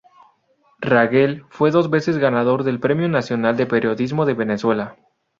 Rangel fue dos veces ganador del Premio Nacional de Periodismo de Venezuela.